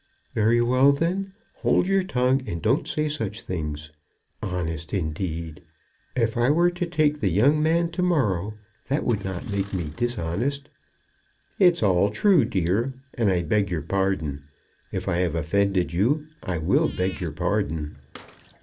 "Very well, then. Hold your tongue, and don't say such things. Honest indeed! If I were to take the young man to morrow, that would not make me dishonest." "It's all true, dear, and I beg your pardon. If I have offended you, I will beg your pardon."